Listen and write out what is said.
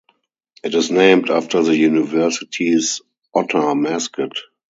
It is named after the university's otter mascot.